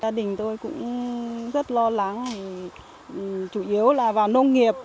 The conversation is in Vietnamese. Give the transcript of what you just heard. gia đình tôi cũng rất lo lắng chủ yếu là vào nông nghiệp